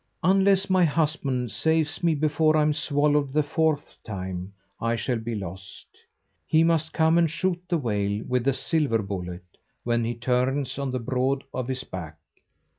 Unless my husband saves me before I'm swallowed the fourth time, I shall be lost. He must come and shoot the whale with a silver bullet when he turns on the broad of his back.